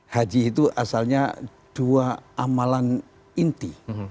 haji itu asalnya dua amalan inti